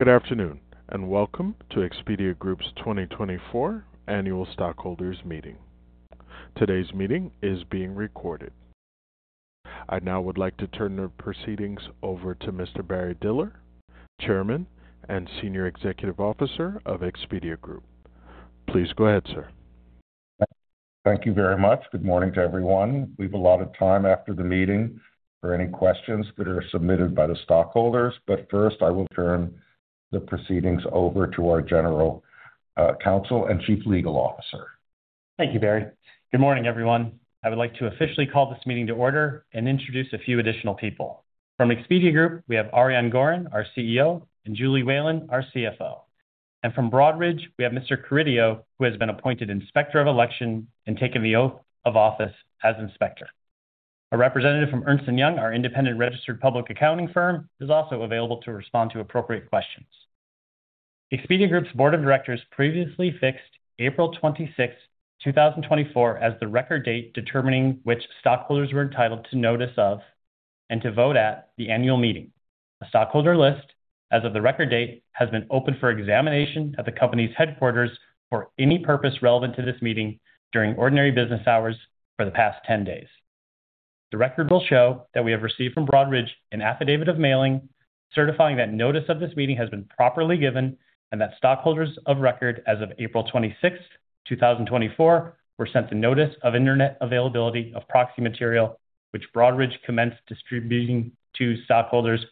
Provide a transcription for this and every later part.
Good afternoon, and welcome to Expedia Group's 2024 Annual Stockholders Meeting. Today's meeting is being recorded. I now would like to turn the proceedings over to Mr. Barry Diller, Chairman and Senior Executive Officer of Expedia Group. Please go ahead, sir. Thank you very much. Good morning to everyone. We've allotted time after the meeting for any questions that are submitted by the stockholders, but first, I will turn the proceedings over to our General Counsel and Chief Legal Officer. Thank you, Barry. Good morning, everyone. I would like to officially call this meeting to order and introduce a few additional people. From Expedia Group, we have Ariane Gorin, our CEO, and Julie Whalen, our CFO, and from Broadridge, we have Mr. Carideo, who has been appointed Inspector of Election and taken the oath of office as Inspector. A representative from Ernst & Young, our independent registered public accounting firm, is also available to respond to appropriate questions. Expedia Group's Board of Directors previously fixed April 26th, 2024, as the record date, determining which stockholders were entitled to notice of and to vote at the annual meeting. The stockholder list, as of the record date, has been open for examination at the company's headquarters for any purpose relevant to this meeting during ordinary business hours for the past 10 days. The record will show that we have received from Broadridge an affidavit of mailing, certifying that notice of this meeting has been properly given and that stockholders of record as of April 26th, 2024, were sent a Notice of Internet Availability of Proxy Material, which Broadridge commenced distributing to stockholders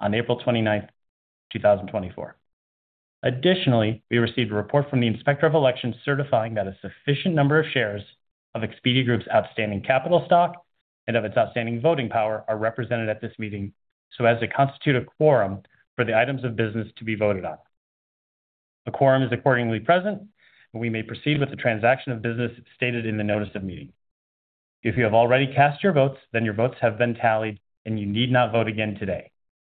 on April 29th, 2024. Additionally, we received a report from the Inspector of Elections, certifying that a sufficient number of shares of Expedia Group's outstanding capital stock and of its outstanding voting power are represented at this meeting so as to constitute a quorum for the items of business to be voted on. A quorum is accordingly present, and we may proceed with the transaction of business stated in the notice of meeting. If you have already cast your votes, then your votes have been tallied, and you need not vote again today.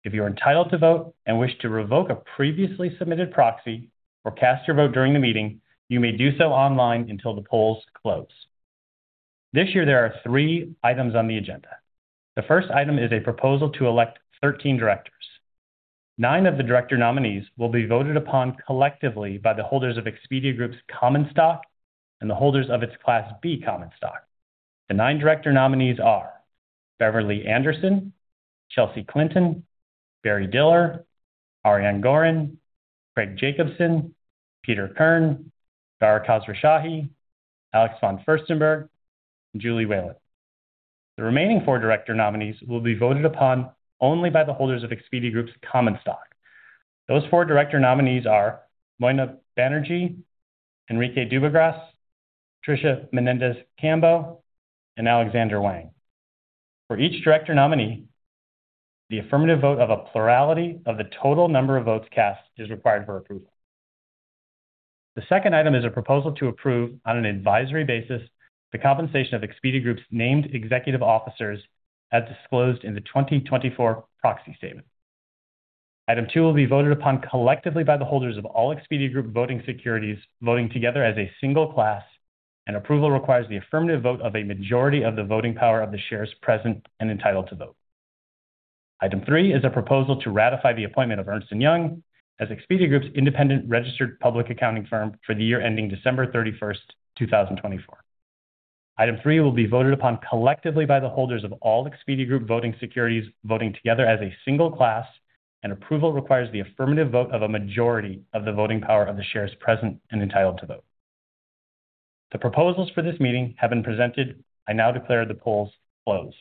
If you are entitled to vote and wish to revoke a previously submitted proxy or cast your vote during the meeting, you may do so online until the polls close. This year, there are three items on the agenda. The first item is a proposal to elect 13 directors. Nine of the director nominees will be voted upon collectively by the holders of Expedia Group's common stock and the holders of its Class B common stock. The nine director nominees are Beverly Anderson, Chelsea Clinton, Barry Diller, Ariane Gorin, Craig Jacobson, Peter Kern, Dara Khosrowshahi, Alexander von Furstenberg, and Julie Whalen. The remaining four director nominees will be voted upon only by the holders of Expedia Group's common stock. Those four director nominees are Moina Banerjee, Enrique Dubugras, Patricia Menendez-Cambo, and Alexander Wang. For each director nominee, the affirmative vote of a plurality of the total number of votes cast is required for approval. The second item is a proposal to approve, on an advisory basis, the compensation of Expedia Group's named executive officers, as disclosed in the 2024 proxy statement. Item two will be voted upon collectively by the holders of all Expedia Group voting securities, voting together as a single class, and approval requires the affirmative vote of a majority of the voting power of the shares present and entitled to vote. Item three is a proposal to ratify the appointment of Ernst & Young as Expedia Group's independent registered public accounting firm for the year ending December 31, 2024. Item three will be voted upon collectively by the holders of all Expedia Group voting securities, voting together as a single class, and approval requires the affirmative vote of a majority of the voting power of the shares present and entitled to vote. The proposals for this meeting have been presented. I now declare the polls closed.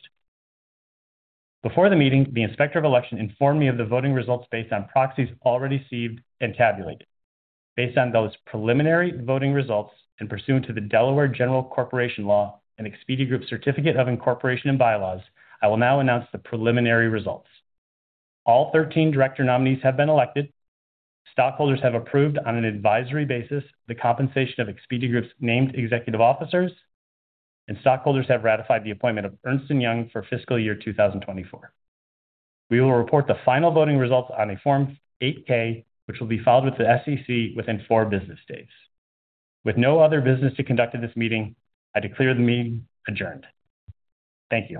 Before the meeting, the Inspector of Election informed me of the voting results based on proxies already received and tabulated. Based on those preliminary voting results and pursuant to the Delaware General Corporation Law and Expedia Group Certificate of Incorporation and Bylaws, I will now announce the preliminary results. All 13 director nominees have been elected. Stockholders have approved, on an advisory basis, the compensation of Expedia Group's named executive officers, and stockholders have ratified the appointment of Ernst & Young for fiscal year 2024. We will report the final voting results on a Form 8-K, which will be filed with the SEC within four business days. With no other business to conduct in this meeting, I declare the meeting adjourned. Thank you.